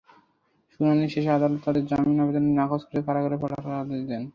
শুনানি শেষে আদালত তাঁদের জামিন আবেদন নাকচ করে কারাগারে পাঠানোর আদেশ দেন।